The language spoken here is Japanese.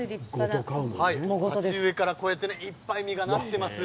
鉢植えからいっぱい実がなっています。